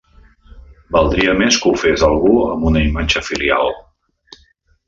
Valdria més que ho fes algú amb una imatge filial.